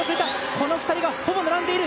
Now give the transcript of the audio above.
この２人がほぼ並んでいる！